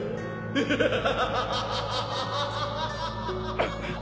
ハハハハハ。